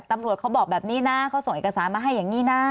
ตำรวจเขาบอกแบบนี้นะเขาส่งเอกสารมาให้อย่างนี้นะ